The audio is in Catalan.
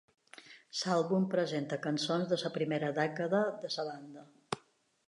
L"àlbum presenta cançons de la primera dècada de la banda.